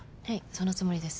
そのつもりです。